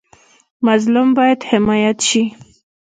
مظلوم باید حمایت شي